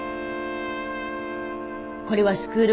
これはスクール